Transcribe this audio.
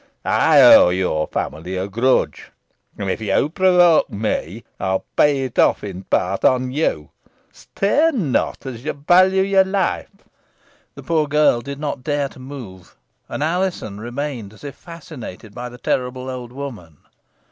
I owe your family a grudge, and, if you provoke me, I will pay it off in part on you. Stir not, as you value your life." The poor girl did not dare to move, and Alizon remained as if fascinated by the terrible old woman.